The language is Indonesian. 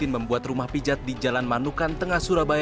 membuat rumah pijat di jalan manukan tengah surabaya